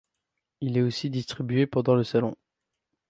Il est aussi distribué pendant le salon.